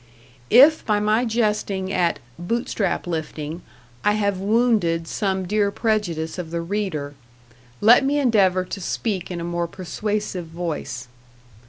If by my jesting at "Bootstrap lifting" I have wounded some dear prejudice of the reader, let me endeavor to speak in a more persuasive voice.